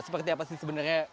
seperti apa sih sebenarnya